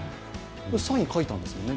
サイン書いたんですよね？